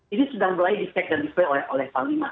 ini sudah mulai di check dan di play oleh pak panglima